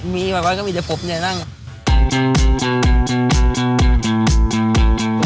มีกว่าก็มีจะพบเนื้อหน้า